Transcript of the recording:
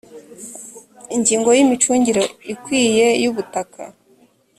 ingingo ya imicungire ikwiye y ubutaka